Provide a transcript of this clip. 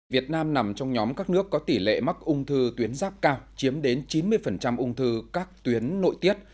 việt nam nằm trong nhóm các nước có tỷ lệ mắc ung thư tuyến giáp cao chiếm đến chín mươi ung thư các tuyến nội tiết